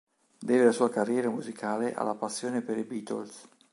Deve la sua carriera musicale alla passione per i Beatles.